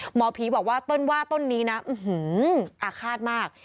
หมอผีบอกว่าเติ้ลว่าต้นนี้นะอื้อหืออัคฒาสมาก